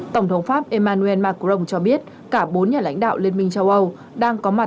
tổng thống pháp emmanuel macron cho biết cả bốn nhà lãnh đạo liên minh châu âu đang có mặt